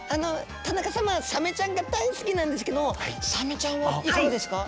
田中様はサメちゃんが大好きなんですけどサメちゃんはいかがですか？